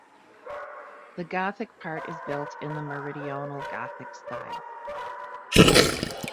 The Gothic part is built in the Meridional Gothic style.